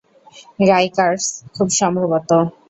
Rikers, খুব সম্ভবত।